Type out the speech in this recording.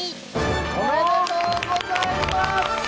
おめでとうございます！